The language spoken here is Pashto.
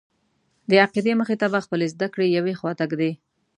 د عقیدې مخې ته به خپلې زده کړې یوې خواته ږدې.